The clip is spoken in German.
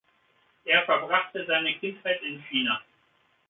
Er verbrachte seine Kindheit in China.